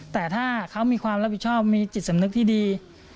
แต่ถ้าเขามีความรับผิดชอบมีจิตสำนึกที่ดี